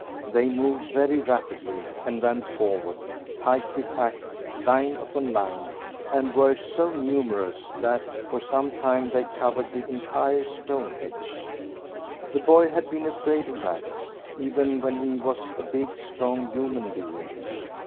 They moved very rapidly, and ran forward, tightly packed, line upon line, and were so numerous that, for some time, they covered the entire stone hedge. The boy had been afraid of rats, even when he was a big, strong human being.